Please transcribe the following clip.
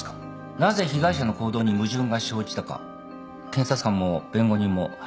なぜ被害者の行動に矛盾が生じたか検察官も弁護人も把握していませんね。